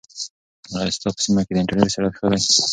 ایا ستا په سیمه کې د انټرنیټ سرعت ښه دی؟